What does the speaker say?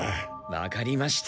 わかりました。